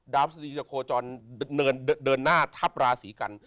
ดรสรีศาโคจรเดินหน้าทัพราศีกัณฑ์